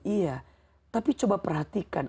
iya tapi coba perhatikan